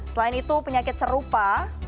selain itu penyakit serupa